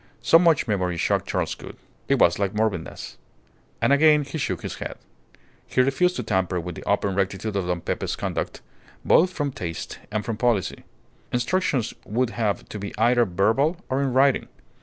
So much memory shocked Charles Gould. It was like morbidness. And again he shook his head. He refused to tamper with the open rectitude of Don Pepe's conduct, both from taste and from policy. Instructions would have to be either verbal or in writing.